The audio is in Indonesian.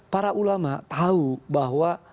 para ulama tahu bahwa